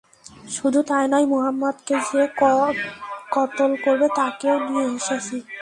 শুধু তাই নয়, মুহাম্মাদকে যে কতল করবে তাকেও নিয়ে এসেছি।